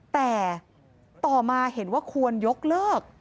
แต่ต่อมาเห็นว่าควรยกเลิก